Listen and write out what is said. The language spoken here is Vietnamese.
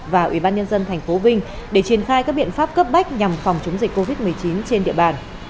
và ủy ban nhân dân tp vinh để triển khai các biện pháp cấp bách nhằm phòng chống dịch covid một mươi chín trên địa bàn